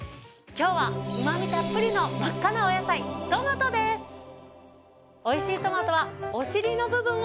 今日はうま味たっぷりの真っ赤なお野菜トマトです。